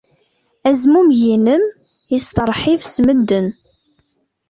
Azmumeg-nnem yesteṛḥib s medden.